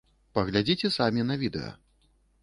Паглядзіце самі на відэа.